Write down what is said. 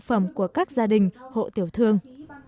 phẩm của các gia đình hộ tiểu thương